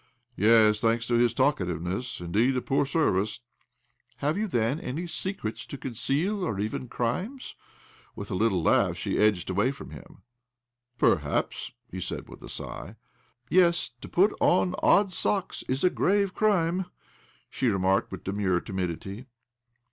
" Yes — thanks to his talkativeness ! Indeed a poor service !"" Have you, then, any secrets to conceal — or even crimes?" With a little laugh she edged away from him. "Perhaps," he said with a sigh. " Yes, to put on odd socks is a grave crime," she remarked with demure timidity.